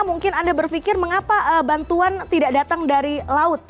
mungkin anda berpikir mengapa bantuan tidak datang dari laut